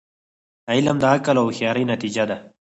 علم د عقل او هوښیاری نتیجه ده.